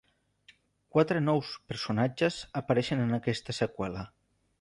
Quatre nous personatges apareixen en aquesta seqüela.